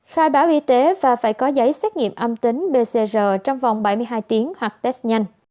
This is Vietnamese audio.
khai báo y tế và phải có giấy xét nghiệm âm tính pcr trong vòng bảy mươi hai tiếng hoặc test nhanh